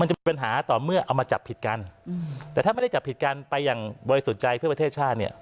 จะมีปัญหาต่อเมื่อเอามาจับผิดกันแต่ถ้าไม่ได้จับผิดกันไปอย่างบริสุทธิ์ใจเพื่อประเทศชาติเนี่ย